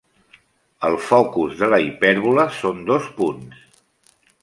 Els focus de la hipèrbola són dos punts.